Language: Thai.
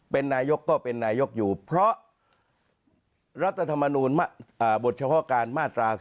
เป็นนายกก็เป็นนายกอยู่เพราะรัฐธรรมนูลบทเฉพาะการมาตรา๒